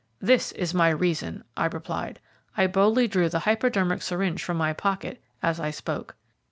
"This is my reason," I replied. I boldly drew the hypodermic syringe from my pocket as I spoke.